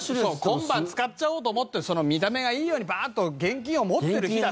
今晩使っちゃおうと思って見た目がいいようにバーンと現金を持ってる日だってあるよ！